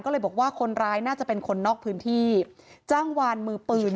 ก็เลยบอกว่าคนร้ายน่าจะเป็นคนนอกพื้นที่จ้างวานมือปืน